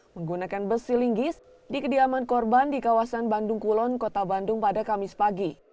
menggunakan besi linggis di kediaman korban di kawasan bandung kulon kota bandung pada kamis pagi